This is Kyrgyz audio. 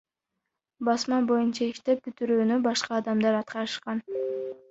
Басма боюнча иштеп бүтүрүүнү башка адамдар аткарышкан.